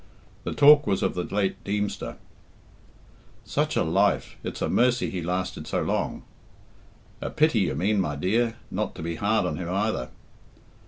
The talk was of the late Deemster. "Such a life! It's a mercy he lasted so long!" "A pity, you mean, my dear, not to be hard on him either."